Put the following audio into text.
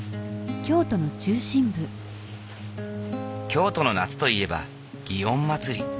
京都の夏といえば園祭。